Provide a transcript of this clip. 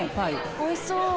おいしそう。